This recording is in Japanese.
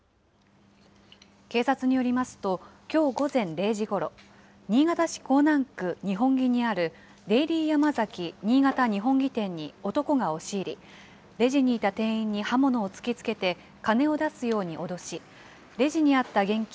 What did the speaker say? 警察によりますと、きょう午前０時ごろ、新潟市江南区二本木にあるデイリーヤマザキ新潟二本木店に男が押し入り、レジにいた店員に刃物を突きつけて金を出すように脅し、レジにあった現金